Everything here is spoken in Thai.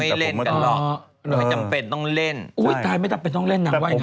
ไม่เล่นกันหรอกไม่จำเป็นต้องเล่นอุ้ยไม่จำเป็นต้องเล่นหนังว่ายังไง